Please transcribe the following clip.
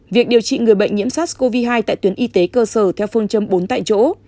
việc điều trị người bệnh nhiễm sars cov hai tại tuyến y tế cơ sở theo phương châm bốn tại chỗ